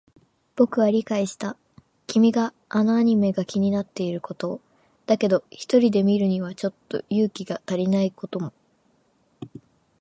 僕は理解した。君はあのアニメが気になっていることを。だけど、一人で見るにはちょっと勇気が足りないことも。